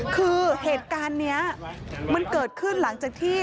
คือเหตุการณ์นี้มันเกิดขึ้นหลังจากที่